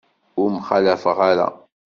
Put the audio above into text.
Ur mxallafeɣ ara.